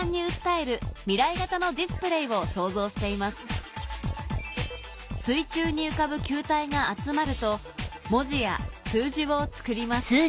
続いては水中に浮かぶ球体が集まると文字や数字を作ります